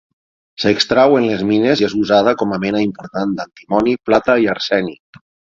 S'extreu en les mines i és usada com a mena important d'antimoni, plata i arsènic.